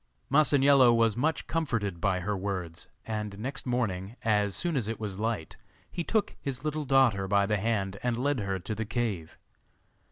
Masaniello was much comforted by her words, and next morning as soon as it was light he took his little daughter by the hand and led her to the cave.